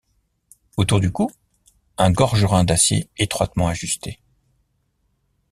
Autour du cou, un gorgerin d'acier étroitement ajusté.